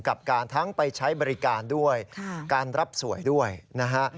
กับการทั้งไปใช้บริการด้วยการรับสวยด้วยนะฮะ